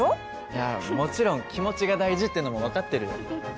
いやもちろん気持ちが大事ってのも分かってるよ。